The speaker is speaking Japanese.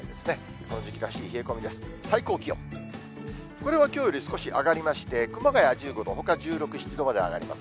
これはきょうより少し上がりまして、熊谷１５度、ほかは１６、７度まで上がります。